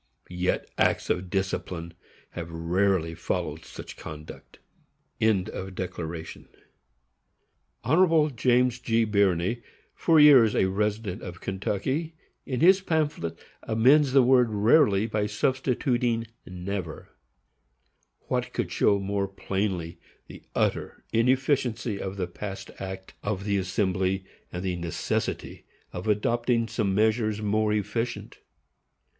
_ Yet acts of discipline have rarely followed such conduct. Hon. James G. Birney, for years a resident of Kentucky, in his pamphlet, amends the word rarely by substituting never. What could show more plainly the utter inefficiency of the past act of the Assembly, and the necessity of adopting some measures more efficient?